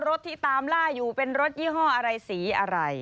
รถที่ตามล่าอยู่เป็นรถยี่ห้ออะไรสีอะไร